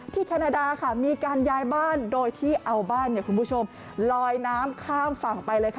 ที่แคนาดามีการยายบ้านโดยที่เอาบ้านลอยน้ำข้ามฝั่งไปเลย